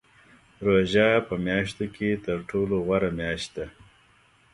روژه په میاشتو کې تر ټولو غوره میاشت ده .